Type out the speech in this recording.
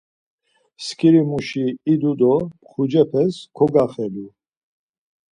Skirimuşi idu do mxucepes kogaxvelu.